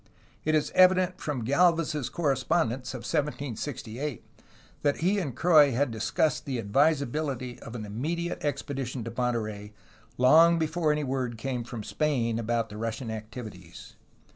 It is evident from Galvez 's correspondence of 1768 that he and Croix had discussed the advisability of an immediate expedition to Monterey, long before any word came from Spain about the Russian activities.